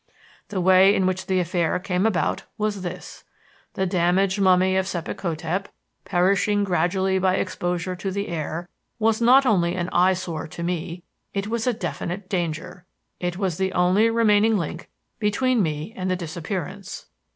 "The way in which the affair came about was this: the damaged mummy of Sebek hotep, perishing gradually by exposure to the air, was not only an eyesore to me: it was a definite danger. It was the only remaining link between me and the disappearance.